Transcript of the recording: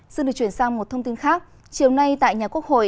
xin được chuyển sang một thông tin khác chiều nay tại nhà quốc hội